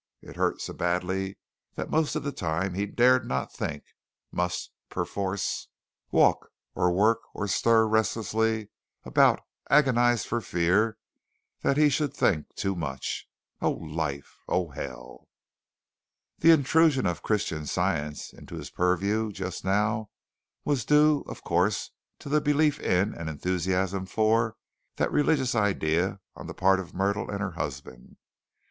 It hurt so badly that most of the time he dared not think must, perforce, walk or work or stir restlessly about agonized for fear he should think too much. Oh, life; oh, hell! The intrusion of Christian Science into his purview just now was due, of course, to the belief in and enthusiasm for that religious idea on the part of Myrtle and her husband.